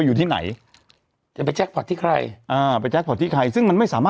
ถูกรางวัลที่๑น่ะ